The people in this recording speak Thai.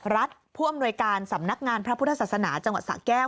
รัฐผู้อำนวยการสำนักงานพระพุทธศาสนาจังหวัดสะแก้ว